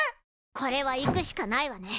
これは行くしかないわね。